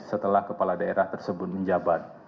setelah kepala daerah tersebut menjabat